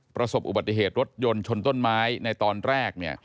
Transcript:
ประสบอุบัติเหตุรถยนต์ชนต้นไม้ในตอนแรก